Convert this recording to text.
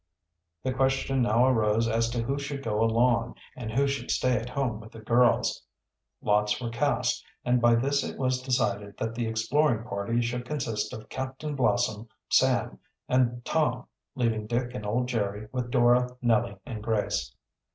The question now arose as to who should go along and who should stay at home with the girls. Lots were cast, and by this it was decided that the exploring party should consist of Captain Blossom, Sam, and Tom, leaving Dick and old Jerry with Dora, Nellie, and Grace.